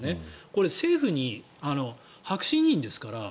これ、政府に白紙委任ですからね